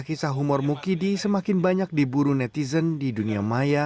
kisah humor mukidi semakin banyak diburu netizen di dunia maya